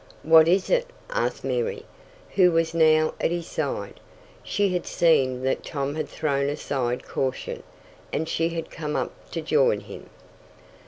"What is it?" asked Mary, who was now at his side. She had seen that Tom had thrown aside caution, and she had come up to join him.